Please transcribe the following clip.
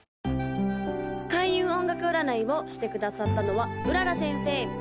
・開運音楽占いをしてくださったのは麗先生